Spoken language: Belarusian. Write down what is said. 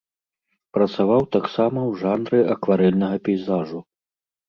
Працаваў таксама ў жанры акварэльнага пейзажу.